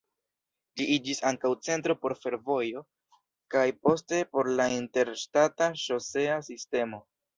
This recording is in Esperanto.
Ĝi iĝis ankaŭ centro por fervojoj, kaj poste por la interŝtata ŝosea sistemo.